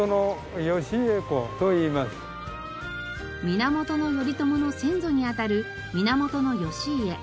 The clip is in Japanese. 源頼朝の先祖にあたる源義家。